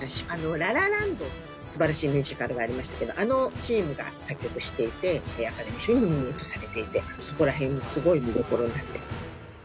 「ラ・ラ・ランド」という素晴らしいミュージカルがありましたけれどもあのチームが作曲していてアカデミー賞にもノミネートされていてそこら辺もすごい見どころになっている。